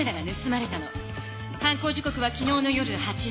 犯行時刻はきのうの夜８時。